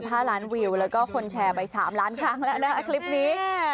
ห้าล้านวิวแล้วก็คนแชร์ไปสามล้านครั้งแล้วนะคลิปนี้